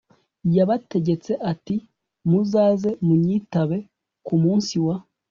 yabategetse ati Muzaze munyitabe ku munsi wa